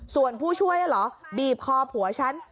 ส่วนผู้ช่วยเหรอบีบคอผัวฉัน